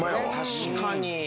確かに。